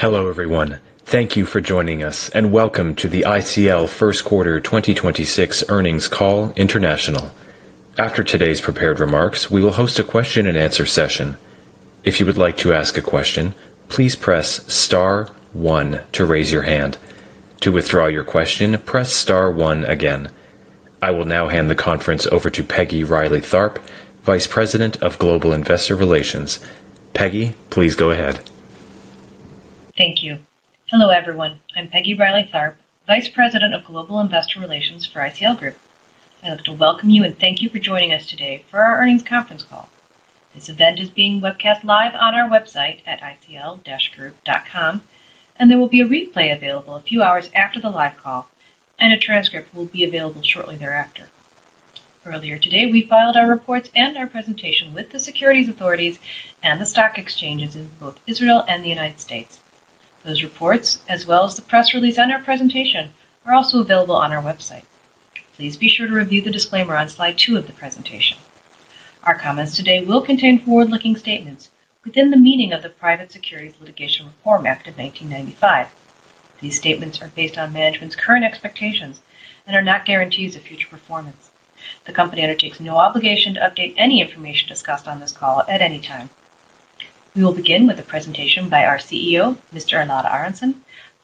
Hello, everyone. Thank you for joining us, and welcome to the ICL 1st quarter 2026 earnings call international. After today's prepared remarks, we will host a question and answer session. I will now hand the conference over to Peggy Reilly Tharp, Vice President of Global Investor Relations. Peggy, please go ahead. Thank you. Hello, everyone. I'm Peggy Reilly Tharp, Vice President of Global Investor Relations for ICL Group. I'd like to welcome you and thank you for joining us today for our earnings conference call. This event is being webcast live on our website at icl-group.com, and there will be a replay available a few hours after the live call, and a transcript will be available shortly thereafter. Earlier today, we filed our reports and our presentation with the securities authorities and the stock exchanges in both Israel and the United States. Those reports, as well as the press release on our presentation, are also available on our website. Please be sure to review the disclaimer on slide two of the presentation. Our comments today will contain forward-looking statements within the meaning of the Private Securities Litigation Reform Act of 1995. These statements are based on management's current expectations and are not guarantees of future performance. The company undertakes no obligation to update any information discussed on this call at any time. We will begin with a presentation by our CEO, Mr. Elad Aharonson,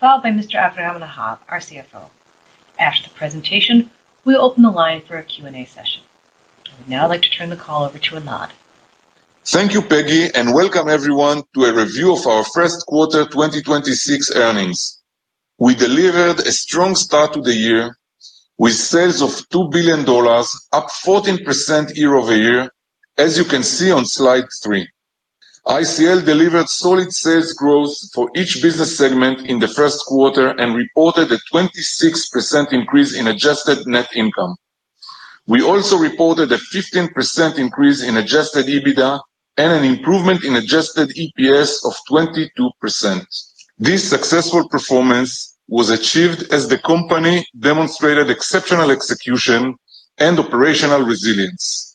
followed by Mr. Aviram Lahav, our CFO. After the presentation, we'll open the line for a Q&A session. I would now like to turn the call over to Elad. Thank you, Peggy, and welcome everyone to a review of our first quarter 2026 earnings. We delivered a strong start to the year with sales of $2 billion, up 14% year-over-year, as you can see on slide three. ICL delivered solid sales growth for each business segment in the first quarter and reported a 26% increase in adjusted net income. We also reported a 15% increase in adjusted EBITDA and an improvement in adjusted EPS of 22%. This successful performance was achieved as the company demonstrated exceptional execution and operational resilience.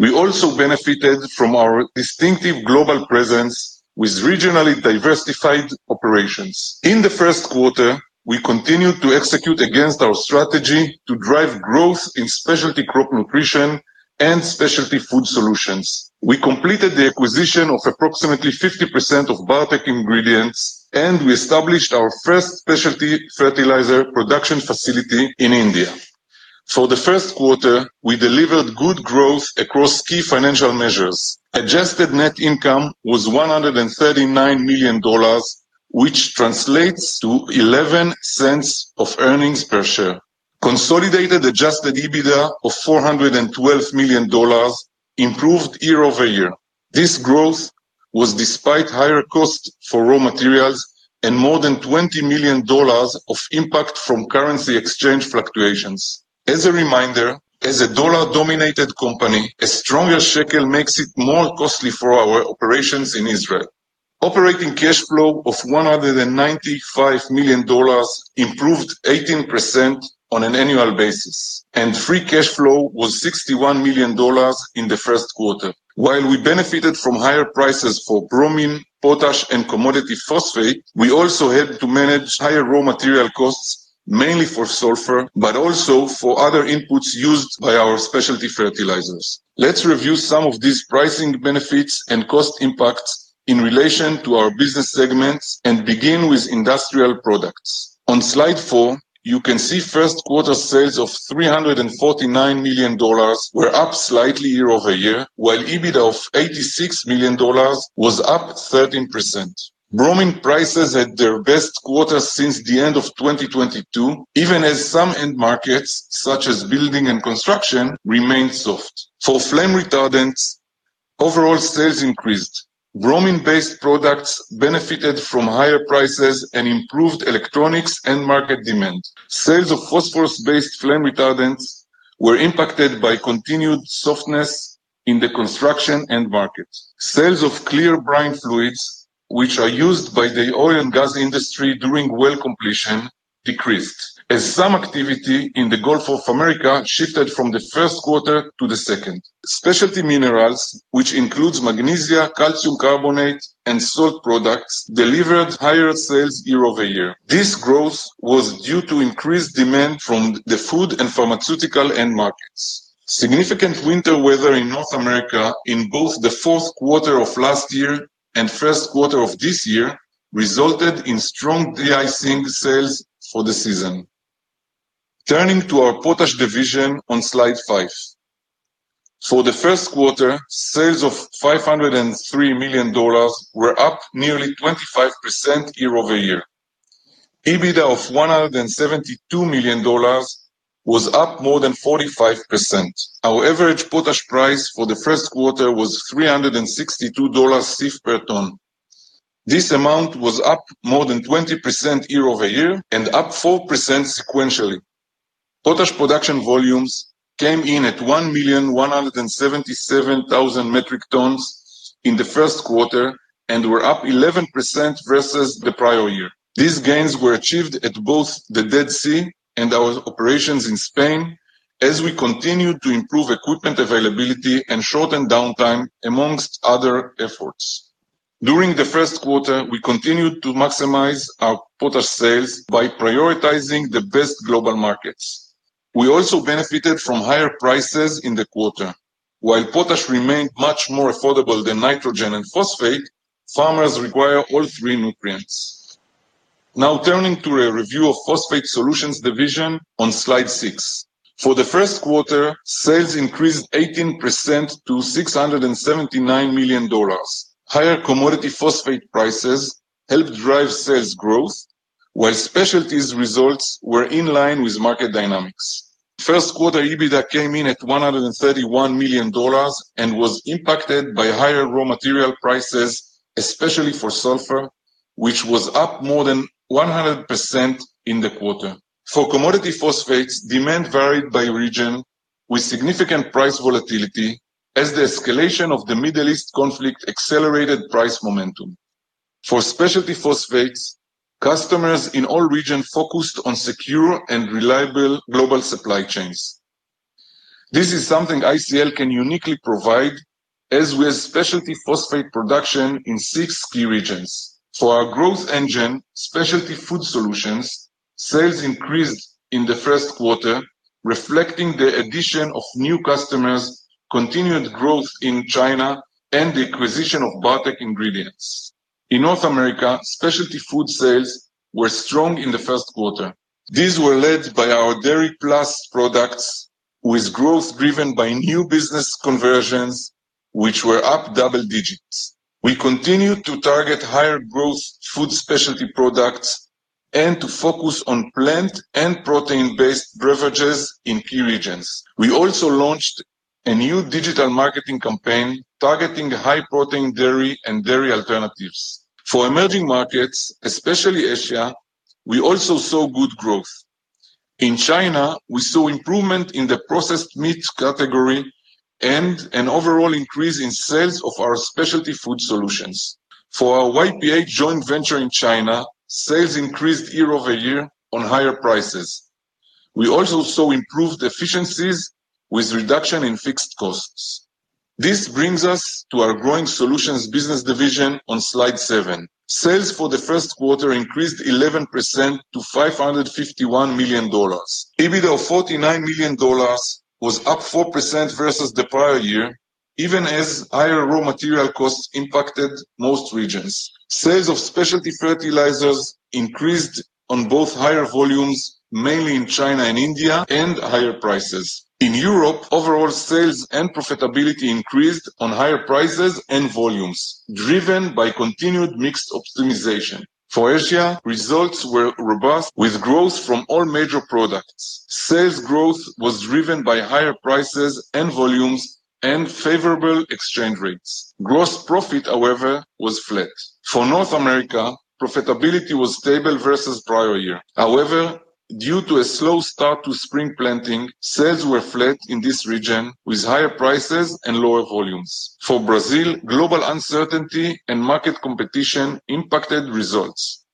We also benefited from our distinctive global presence with regionally diversified operations. In the first quarter, we continued to execute against our strategy to drive growth in Specialty Crop Nutrition and Specialty Food Solutions. We completed the acquisition of approximately 50% of Bartek Ingredients, and we established our first specialty fertilizer production facility in India. For the first quarter, we delivered good growth across key financial measures. adjusted net income was $139 million, which translates to $0.11 of earnings per share. Consolidated adjusted EBITDA of $412 million improved year-over-year. This growth was despite higher cost for raw materials and more than $20 million of impact from currency exchange fluctuations. As a reminder, as a dollar-dominated company, a stronger shekel makes it more costly for our operations in Israel. Operating cash flow of $195 million improved 18% on an annual basis, and free cash flow was $61 million in the first quarter. While we benefited from higher prices for bromine, potash, and commodity phosphate, we also had to manage higher raw material costs, mainly for sulfur, but also for other inputs used by our specialty fertilizers. Let's review some of these pricing benefits and cost impacts in relation to our business segments and begin with Industrial Products. On slide four, you can see first quarter sales of $349 million were up slightly year-over-year, while EBITDA of $86 million was up 13%. Bromine prices had their best quarter since the end of 2022, even as some end markets, such as building and construction, remained soft. For flame retardants, overall sales increased. Bromine-based products benefited from higher prices and improved electronics and market demand. Sales of phosphorus-based flame retardants were impacted by continued softness in the construction end market. Sales of clear brine fluids, which are used by the oil and gas industry during well completion, decreased as some activity in the Gulf of Mexico shifted from the first quarter to the second. Specialty minerals, which includes magnesia, calcium carbonate, and salt products, delivered higher sales year-over-year. This growth was due to increased demand from the food and pharmaceutical end markets. Significant winter weather in North America in both the fourth quarter of last year and first quarter of this year resulted in strong de-icing sales for the season. Turning to our Potash division on slide five. For the first quarter, sales of $503 million were up nearly 25% year-over-year. EBITDA of $172 million was up more than 45%. Our average Potash price for the first quarter was $362 per ton (CIF). This amount was up more than 20% year-over-year and up 4% sequentially. Potash production volumes came in at 1,177,000 metric tons in the first quarter and were up 11% versus the prior year. These gains were achieved at both the Dead Sea and our operations in Spain as we continue to improve equipment availability and shorten downtime among other efforts. During the first quarter, we continued to maximize our potash sales by prioritizing the best global markets. We also benefited from higher prices in the quarter. While potash remained much more affordable than nitrogen and phosphate, farmers require all three nutrients. Now, turning to a review of Phosphate Solutions division on slide six. For the first quarter, sales increased 18% to $679 million. Higher commodity phosphate prices helped drive sales growth, while specialties results were in line with market dynamics. First quarter EBITDA came in at $131 million and was impacted by higher raw material prices, especially for sulfur, which was up more than 100% in the quarter. For commodity phosphates, demand varied by region with significant price volatility as the escalation of the Middle East conflict accelerated price momentum. For specialty phosphates, customers in all regions focused on secure and reliable global supply chains. This is something ICL can uniquely provide as we have specialty phosphate production in six key regions. For our growth engine, Specialty Food Solutions, sales increased in the first quarter, reflecting the addition of new customers, continued growth in China, and the acquisition of Bartek Ingredients. In North America, specialty food sales were strong in the first quarter. These were led by our DairyPlus products with growth driven by new business conversions, which were up double digits. We continued to target higher growth food specialty products and to focus on plant and protein-based beverages in key regions. We also launched a new digital marketing campaign targeting high-protein dairy and dairy alternatives. For emerging markets, especially Asia, we also saw good growth. In China, we saw improvement in the processed meat category and an overall increase in sales of our Specialty Food Solutions. For our YPH joint venture in China, sales increased year-over-year on higher prices. We also saw improved efficiencies with reduction in fixed costs. This brings us to our Growing Solutions business division on slide seven. Sales for the first quarter increased 11% to $551 million. EBITDA of $49 million was up 4% versus the prior year, even as higher raw material costs impacted most regions. Sales of specialty fertilizers increased on both higher volumes, mainly in China and India, and higher prices. In Europe, overall sales and profitability increased on higher prices and volumes, driven by continued mix optimization. For Asia, results were robust with growth from all major products. Sales growth was driven by higher prices and volumes and favorable exchange rates. Gross profit, however, was flat. For North America, profitability was stable versus prior year. However, due to a slow start to spring planting, sales were flat in this region with higher prices and lower volumes. For Brazil, global uncertainty and market competition impacted results.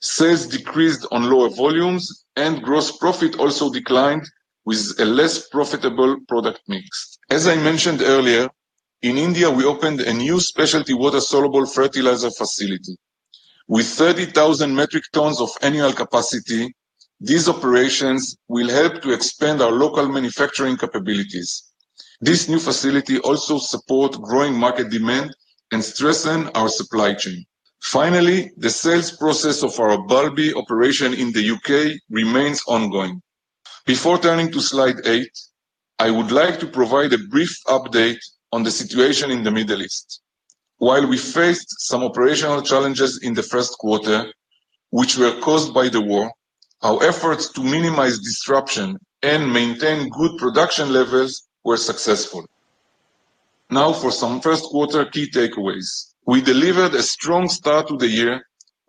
Sales decreased on lower volumes, and gross profit also declined with a less profitable product mix. As I mentioned earlier, in India we opened a new specialty water-soluble fertilizer facility. With 30,000 metric tons of annual capacity, these operations will help to expand our local manufacturing capabilities. This new facility also support growing market demand and strengthen our supply chain. Finally, the sales process of our Boulby operation in the U.K. remains ongoing. Before turning to slide eight, I would like to provide a brief update on the situation in the Middle East. While we faced some operational challenges in the first quarter, which were caused by the war, our efforts to minimize disruption and maintain good production levels were successful. Now for some first quarter key takeaways. We delivered a strong start to the year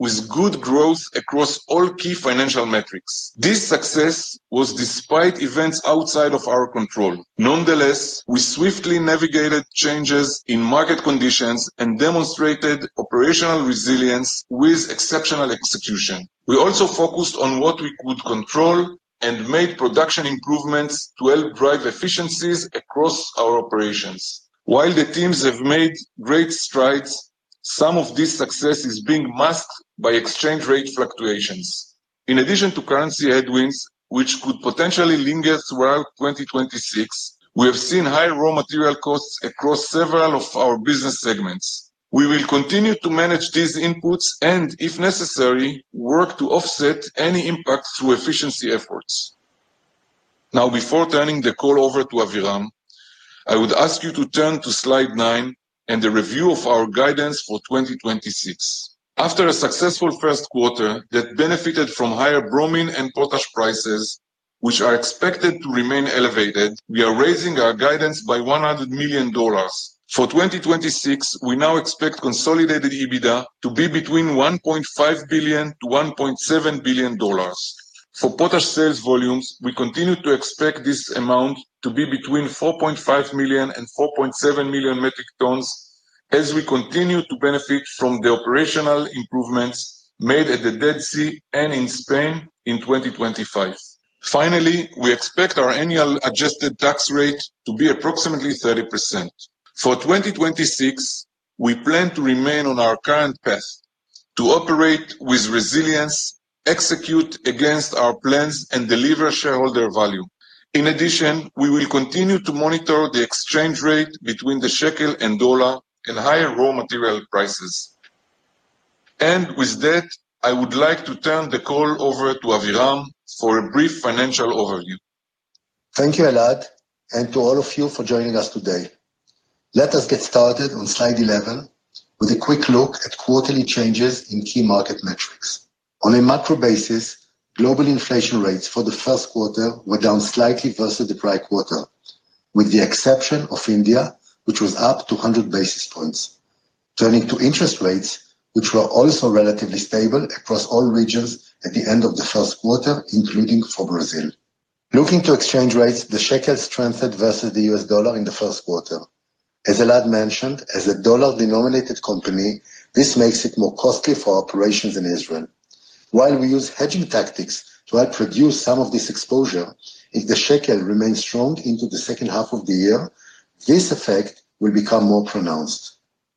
with good growth across all key financial metrics. This success was despite events outside of our control. Nonetheless, we swiftly navigated changes in market conditions and demonstrated operational resilience with exceptional execution. We also focused on what we could control and made production improvements to help drive efficiencies across our operations. While the teams have made great strides, some of this success is being masked by exchange rate fluctuations. In addition to currency headwinds, which could potentially linger throughout 2026, we have seen high raw material costs across several of our business segments. We will continue to manage these inputs and, if necessary, work to offset any impact through efficiency efforts. Now, before turning the call over to Aviram, I would ask you to turn to slide nine and the review of our guidance for 2026. After a successful first quarter that benefited from higher bromine and potash prices, which are expected to remain elevated, we are raising our guidance by $100 million. For 2026, we now expect consolidated EBITDA to be between $1.5 billion-$1.7 billion. For potash sales volumes, we continue to expect this amount to be between 4.5 million and 4.7 million metric tons. As we continue to benefit from the operational improvements made at the Dead Sea and in Spain in 2025. Finally, we expect our annual adjusted tax rate to be approximately 30%. For 2026, we plan to remain on our current path to operate with resilience, execute against our plans, and deliver shareholder value. In addition, we will continue to monitor the exchange rate between the shekel and dollar and higher raw material prices. With that, I would like to turn the call over to Aviram Lahav for a brief financial overview. Thank you, Elad, and to all of you for joining us today. Let us get started on slide 11 with a quick look at quarterly changes in key market metrics. On a macro basis, global inflation rates for the first quarter were down slightly versus the prior quarter, with the exception of India, which was up 200 basis points. Turning to interest rates, which were also relatively stable across all regions at the end of the first quarter, including for Brazil. Looking to exchange rates, the shekel strengthened versus the US dollar in the first quarter. As Elad mentioned, as a dollar-denominated company, this makes it more costly for operations in Israel. While we use hedging tactics to help reduce some of this exposure, if the shekel remains strong into the second half of the year, this effect will become more pronounced.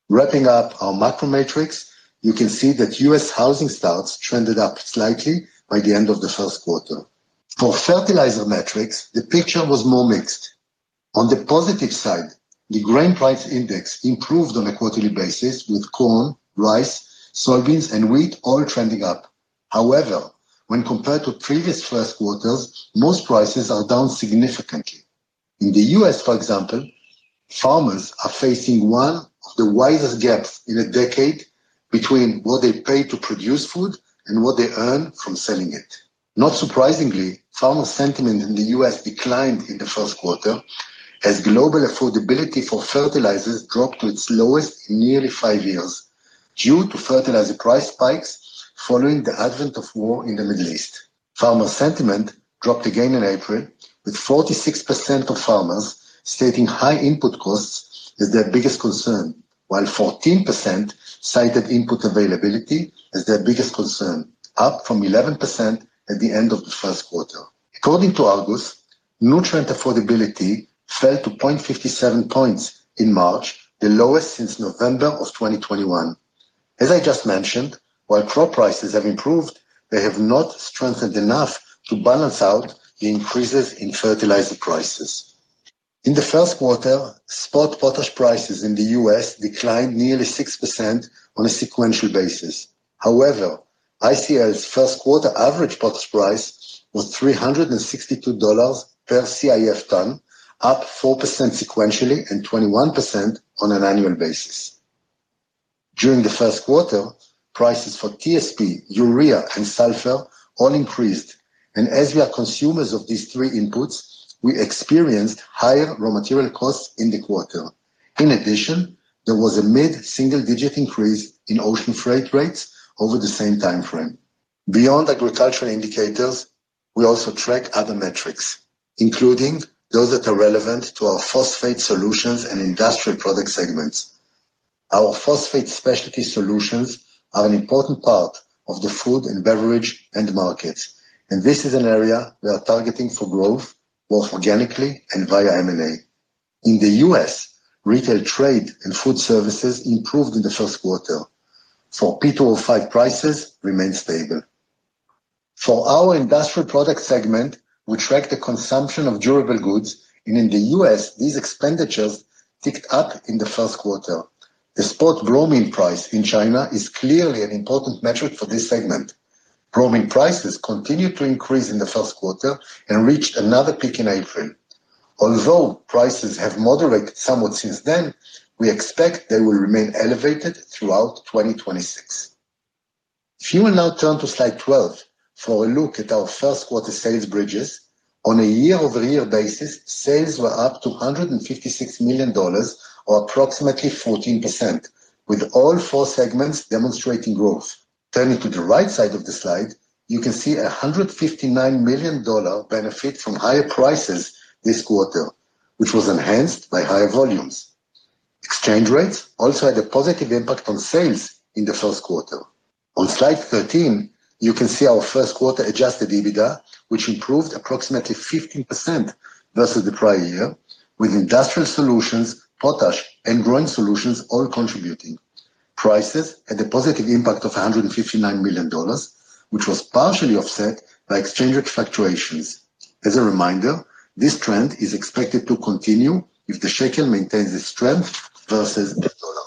Wrapping up our macro metrics, you can see that U.S. housing starts trended up slightly by the end of the first quarter. For fertilizer metrics, the picture was more mixed. On the positive side, the grain price index improved on a quarterly basis, with corn, rice, soybeans, and wheat all trending up. However, when compared to previous first quarters, most prices are down significantly. In the U.S., for example, farmers are facing one of the widest gaps in a decade between what they pay to produce food and what they earn from selling it. Not surprisingly, farmer sentiment in the U.S. declined in the first quarter as global affordability for fertilizers dropped to its lowest in nearly five years due to fertilizer price spikes following the advent of war in the Middle East. Farmer sentiment dropped again in April, with 46% of farmers stating high input costs is their biggest concern, while 14% cited input availability as their biggest concern, up from 11% at the end of the first quarter. According to Argus, nutrient affordability fell to 0.57 points in March, the lowest since November 2021. As I just mentioned, while crop prices have improved, they have not strengthened enough to balance out the increases in fertilizer prices. In the first quarter, spot potash prices in the U.S. declined nearly 6% on a sequential basis. ICL's first quarter average potash price was $362 per ton (CIF), up 4% sequentially and 21% on an annual basis. During the first quarter, prices for TSP, urea, and sulfur all increased, and as we are consumers of these three inputs, we experienced higher raw material costs in the quarter. In addition, there was a mid-single-digit increase in ocean freight rates over the same timeframe. Beyond agricultural indicators, we also track other metrics, including those that are relevant to our Phosphate Solutions and Industrial Products segments. Our Specialty Food Solutions are an important part of the food and beverage end markets, and this is an area we are targeting for growth, both organically and via M&A. In the U.S., retail trade and food services improved in the first quarter. For P2O5 prices remained stable. For our Industrial Products segment, we track the consumption of durable goods, and in the U.S., these expenditures ticked up in the first quarter. The spot bromine price in China is clearly an important metric for this segment. Bromine prices continued to increase in the first quarter and reached another peak in April. Although prices have moderated somewhat since then, we expect they will remain elevated throughout 2026. If you will now turn to slide 12 for a look at our first quarter sales bridges. On a year-over-year basis, sales were up to $156 million or approximately 14%, with all four segments demonstrating growth. Turning to the right side of the slide, you can see a $159 million benefit from higher prices this quarter, which was enhanced by higher volumes. Exchange rates also had a positive impact on sales in the first quarter. On slide 13, you can see our first quarter adjusted EBITDA, which improved approximately 15% versus the prior year, with Industrial Products, Potash, and Growing Solutions all contributing. Prices had a positive impact of $159 million, which was partially offset by exchange rate fluctuations. As a reminder, this trend is expected to continue if the shekel maintains its strength versus the dollar.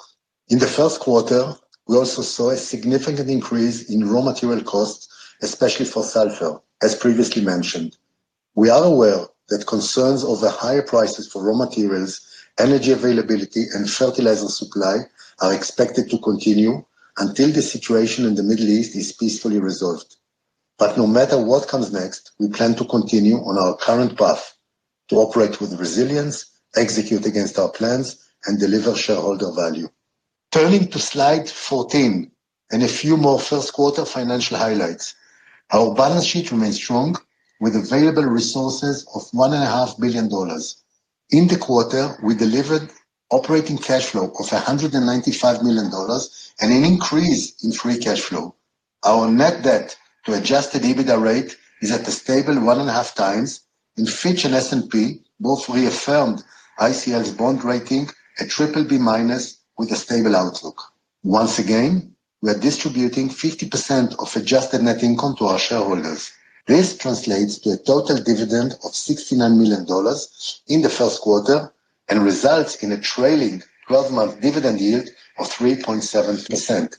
In the first quarter, we also saw a significant increase in raw material costs, especially for sulfur, as previously mentioned. We are aware that concerns over higher prices for raw materials, energy availability, and fertilizer supply are expected to continue until the situation in the Middle East is peacefully resolved. No matter what comes next, we plan to continue on our current path to operate with resilience, execute against our plans, and deliver shareholder value. Turning to slide 14 and a few more first quarter financial highlights. Our balance sheet remains strong with available resources of one and a half billion dollars. In the quarter, we delivered operating cash flow of $195 million and an increase in free cash flow. Our net debt to adjusted EBITDA rate is at a stable 1.5x, and Fitch and S&P both reaffirmed ICL's bond rating at BBB minus with a stable outlook. Once again, we are distributing 50% of adjusted net income to our shareholders. This translates to a total dividend of $69 million in the first quarter and results in a trailing twelve-month dividend yield of 3.7%.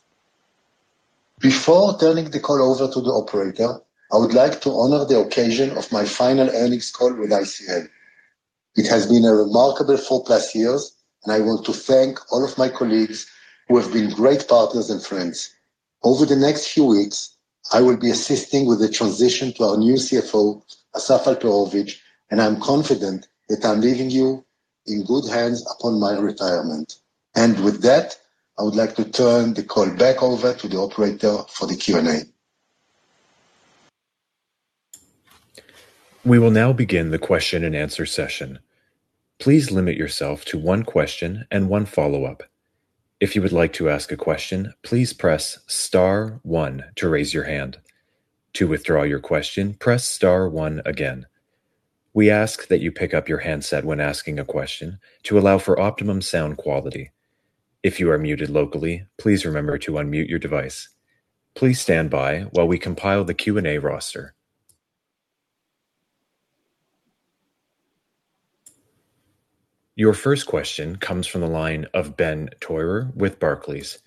Before turning the call over to the operator, I would like to honor the occasion of my final earnings call with ICL. It has been a remarkable four-plus years. I want to thank all of my colleagues who have been great partners and friends. Over the next few weeks, I will be assisting with the transition to our new CFO, Asaf Alperovitz. I'm confident that I'm leaving you in good hands upon my retirement. With that, I would like to turn the call back over to the operator for the Q&A. We will now begin the question and answer session. Please limit yourself to one question and one follow-up. If you would like to ask a question, please press star one to raise your hand. To withdraw your question, press star one again. We ask that you pick up your handset when asking a question to allow for optimum sound quality. If you are muted locally, please remember to unmute your device. Please stand by while we compile the Q&A roster. Your first question comes from the line of Benjamin Theurer with Barclays.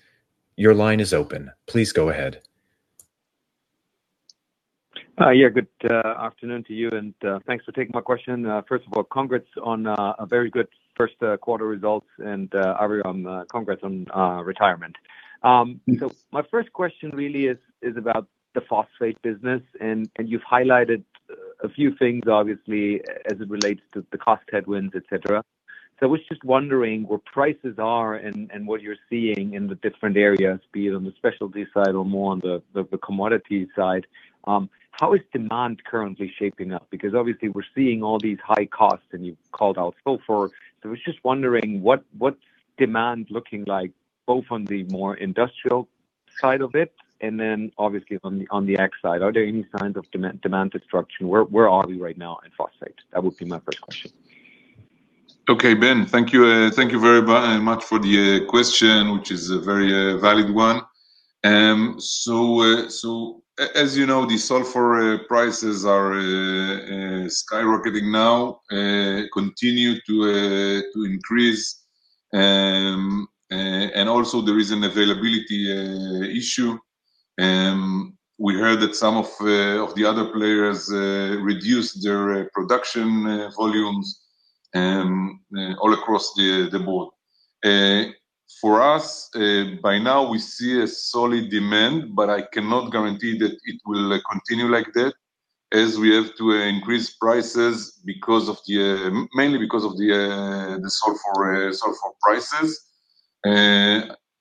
Your line is open. Please go ahead. Good afternoon to you, and thanks for taking my question. First of all, congrats on a very good first quarter results, and Aviram, congrats on retirement. My first question really is about the phosphate business, and you've highlighted a few things, obviously, as it relates to the cost headwinds, et cetera. I was just wondering where prices are and what you're seeing in the different areas, be it on the specialty side or more on the commodity side. How is demand currently shaping up? Because obviously we're seeing all these high costs, and you've called out sulfur. I was just wondering what's demand looking like, both on the more industrial side of it, and then obviously on the ag side. Are there any signs of demand destruction? Where are we right now in phosphate? That would be my first question. Benjamin, thank you. Thank you very much for the question, which is a very valid one. As you know, the sulfur prices are skyrocketing now, continue to increase. And also there is an availability issue. We heard that some of the other players reduced their production volumes all across the board. For us, by now we see a solid demand, but I cannot guarantee that it will continue like that as we have to increase prices mainly because of the sulfur prices.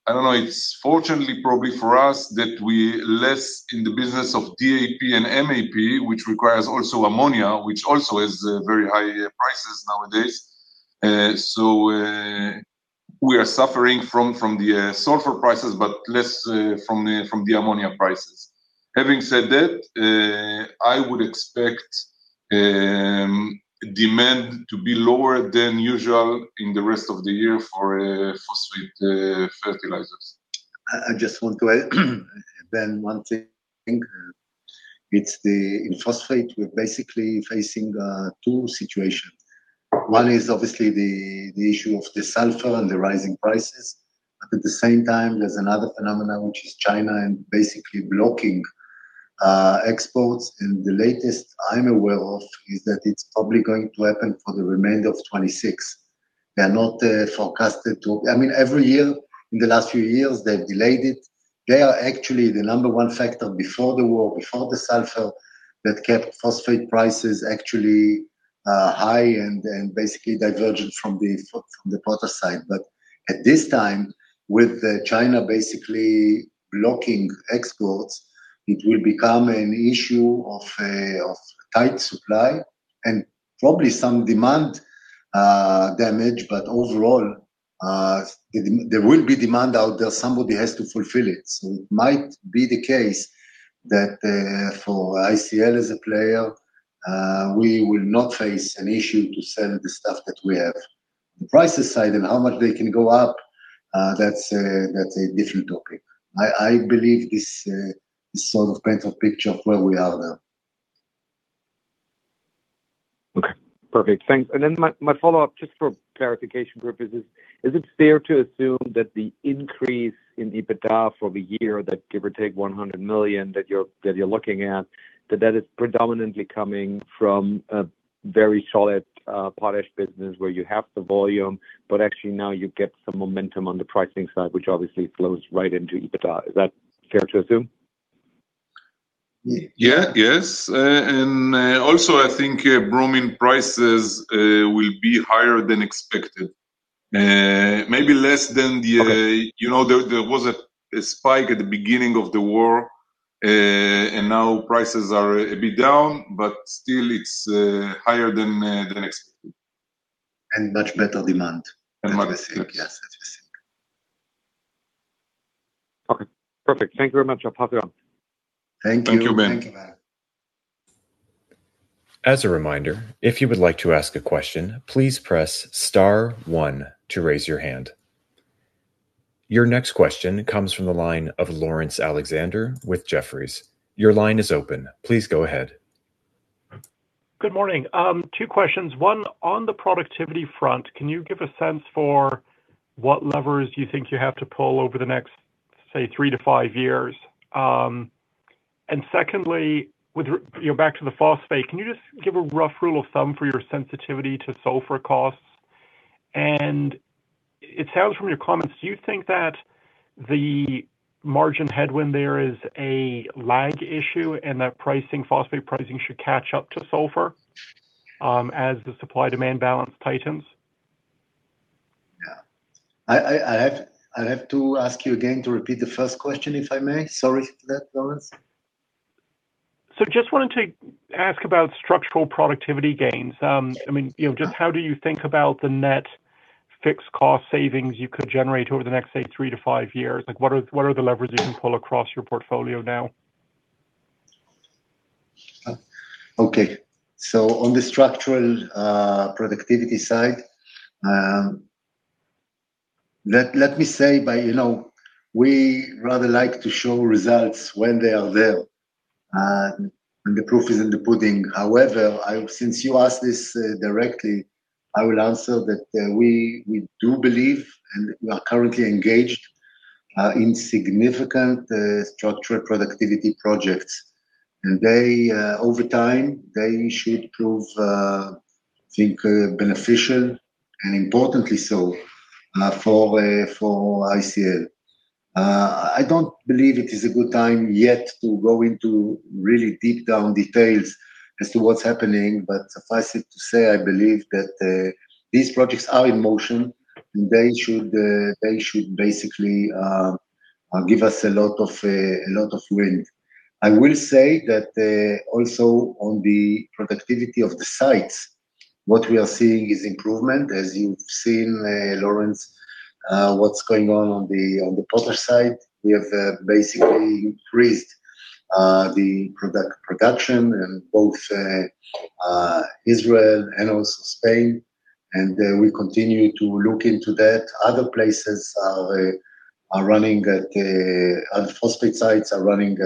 I don't know, it's fortunately probably for us that we less in the business of DAP and MAP, which requires also ammonia, which also has very high prices nowadays. We are suffering from the sulfur prices, but less from the ammonia prices. Having said that, I would expect demand to be lower than usual in the rest of the year for phosphate fertilizers. I just want to add, Benjamin, one thing. In phosphate, we're basically facing two situations. One is obviously the issue of the sulfur and the rising prices. At the same time, there's another phenomenon, which is China and basically blocking exports. The latest I'm aware of is that it's probably going to happen for the remainder of 2026. They are not forecasted to I mean, every year in the last few years, they've delayed it. They are actually the number one factor before the war, before the sulfur, that kept phosphate prices actually high and basically divergent from the potash side. At this time, with China basically blocking exports, it will become an issue of tight supply and probably some demand damage. Overall, there will be demand out there. Somebody has to fulfill it. It might be the case that for ICL as a player, we will not face an issue to sell the stuff that we have. The prices side and how much they can go up, that's a different topic. I believe this sort of paints a picture of where we are now. Okay. Perfect. Thanks. My follow-up just for clarification purposes, is it fair to assume that the increase in EBITDA for the year that give or take $100 million that you're looking at, is predominantly coming from a very solid Potash business where you have the volume, but actually now you get some momentum on the pricing side, which obviously flows right into EBITDA? Is that fair to assume? Yeah. Yes. Also I think bromine prices will be higher than expected. You know, there was a spike at the beginning of the war. Now prices are a bit down, still it's higher than expected. Much better demand than we think. Much, yes. Yes, as you think. Okay. Perfect. Thank you very much. I'll pop you off. Thank you. Thank you, Ben. Thank you, Ben. As a reminder, if you would like to ask a question, please press star on to raise your hand. Your next question comes from the line of Laurence Alexander with Jefferies. Your line is open. Please go ahead. Good morning. Two questions. One, on the productivity front, can you give a sense for what levers you think you have to pull over the next, say, three to five years? Secondly, with you know, back to the phosphate, can you just give a rough rule of thumb for your sensitivity to sulfur costs? It sounds from your comments, do you think that the margin headwind there is a lag issue and that pricing, phosphate pricing should catch up to sulfur as the supply-demand balance tightens? Yeah. I have to ask you again to repeat the first question, if I may. Sorry for that, Laurence. Just wanted to ask about structural productivity gains. I mean, you know, just how do you think about the net fixed cost savings you could generate over the next, say, three to five years? Like, what are the levers you can pull across your portfolio now? Okay. On the structural productivity side, let me say by, you know, we rather like to show results when they are there, and the proof is in the pudding. However, since you asked this directly, I will answer that we do believe, and we are currently engaged in significant structural productivity projects. They, over time, they should prove, I think, beneficial, and importantly so, for ICL. I don't believe it is a good time yet to go into really deep down details as to what's happening, but suffice it to say, I believe that these projects are in motion, and they should basically give us a lot of wind. I will say that, also on the productivity of the sites, what we are seeing is improvement. As you've seen, Laurence, what's going on on the phosphate side, we have basically increased production in both Israel and also Spain, we continue to look into that. Other places are running at our phosphate sites are running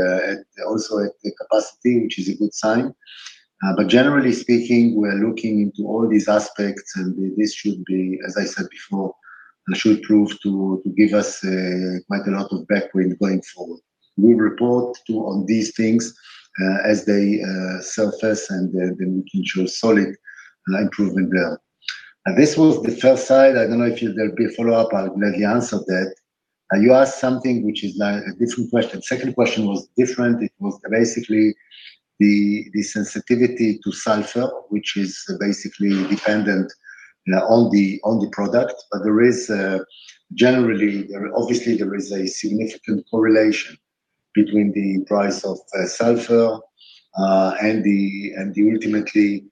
also at the capacity, which is a good sign. Generally speaking, we're looking into all these aspects, and this should be, as I said before, should prove to give us quite a lot of back wind going forward. We'll report on these things as they surface, then we can show solid improvement there. This was the first side. I don't know if there'll be a follow-up. I'll gladly answer that. You asked something which is now a different question. Second question was different. It was basically the sensitivity to sulfur, which is basically dependent, you know, on the product. Obviously, there is a significant correlation between the price of sulfur, and ultimately,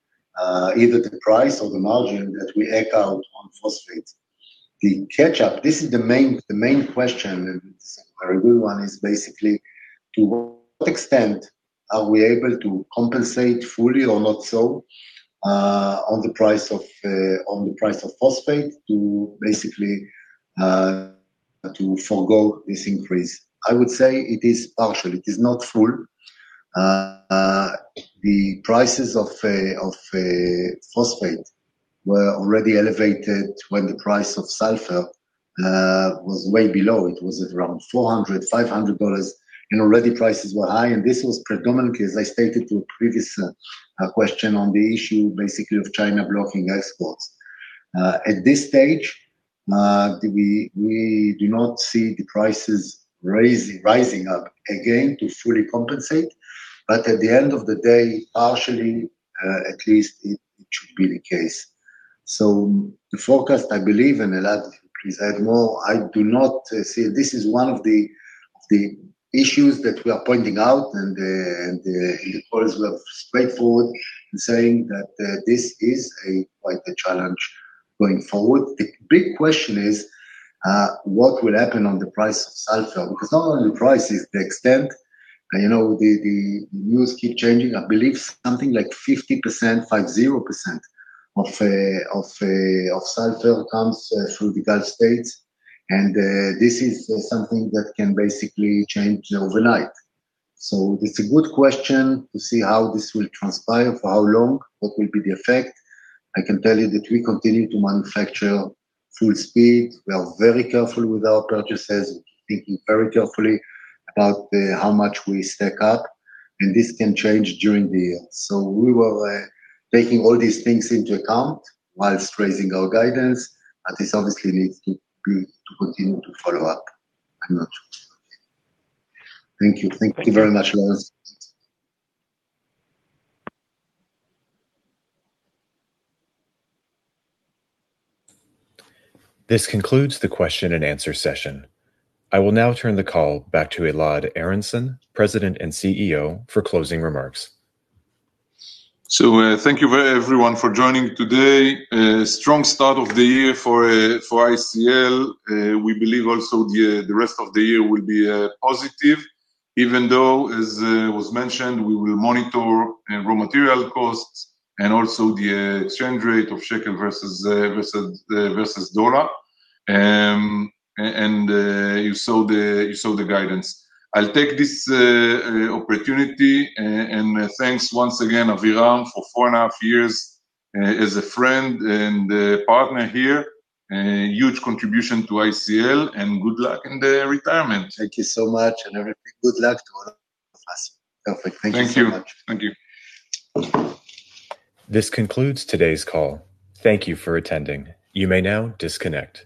either the price or the margin that we take out on phosphate. The catch-up, this is the main question, and it's a very good one, is basically to what extent are we able to compensate fully or not so, on the price of on the price of phosphate to basically, to forgo this increase? I would say it is partial. It is not full. The prices of phosphate were already elevated when the price of sulfur was way below. It was at around $400, $500. Already prices were high. This was predominantly, as I stated to a previous question on the issue basically of China blocking exports. At this stage, we do not see the prices rising up again to fully compensate. At the end of the day, partially, at least it should be the case. The forecast, I believe, and Elad, please add more, I do not see. This is one of the issues that we are pointing out. Always we are straightforward in saying that this is quite a challenge going forward. The big question is what will happen on the price of sulfur? Not only the price is the extent, you know, the news keep changing. I believe something like 50% of sulfur comes through the Gulf states. This is something that can basically change overnight. It's a good question to see how this will transpire, for how long, what will be the effect. I can tell you that we continue to manufacture full speed. We are very careful with our purchases, thinking very carefully about how much we stack up, and this can change during the year. We were taking all these things into account whilst raising our guidance, but this obviously needs to be, to continue to follow up. I'm not sure. Thank you. Thank you very much, Laurence. This concludes the question and answer session. I will now turn the call back to Elad Aharonson, President and CEO, for closing remarks. Thank you everyone for joining today. A strong start of the year for ICL. We believe also the rest of the year will be positive, even though, as was mentioned, we will monitor raw material costs and also the exchange rate of shekel versus dollar. You saw the guidance. I'll take this opportunity and thanks once again, Aviram Lahav, for four and a half years as a friend and a partner here. A huge contribution to ICL, good luck in the retirement. Thank you so much, and everything. Good luck to all of us. Perfect. Thank you so much. Thank you. Thank you. This concludes today's call. Thank you for attending. You may now disconnect.